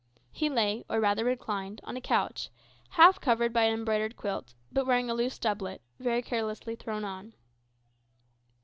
He lay, or rather reclined, on a couch, half covered by an embroidered quilt, but wearing a loose doublet, very carelessly thrown on.